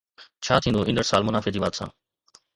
ڇا ٿيندو ايندڙ سال منافعي جي واڌ سان؟